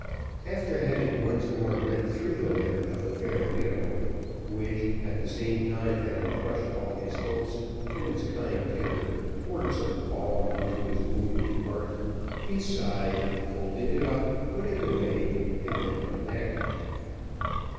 After having once more read through the letter of the fair widow, which, at the same time that it crushed all his hopes, from its kind tenour, poured some balm into his wounded heart, he sighed, folded it up, put it away, and went on deck.